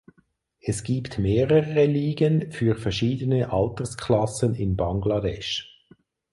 Es gibt mehrere Ligen für verschiedene Altersklassen in Bangladesch.